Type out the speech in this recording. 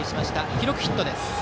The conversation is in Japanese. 記録はヒットです。